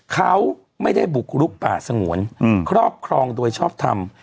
เขาไม่ได้บุกรุกป่าสงวนครอบครองโดยชอบทำ